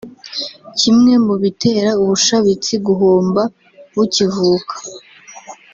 Kimwe mu bitera ubushabitsi guhomba bukivuka